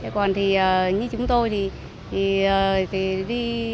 còn thì như chúng tôi